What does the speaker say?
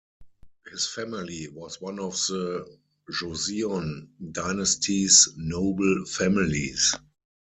His family was one of the Joseon Dynasty's noble families.